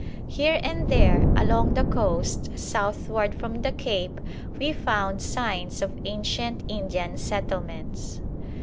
Here and there along the coast southward from the cape we found signs of ancient Indian settlements.